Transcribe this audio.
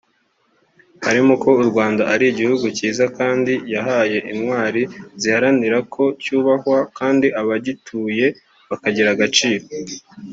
harimo ko u Rwanda ari igihugu cyiza kandi yahaye intwari ziharanira ko cyubahwa kandi abagituye bakagira agaciro